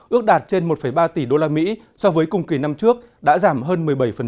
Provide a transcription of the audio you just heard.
ước đạt trên một ba tỷ usd so với cùng kỳ năm trước đã giảm hơn một mươi bảy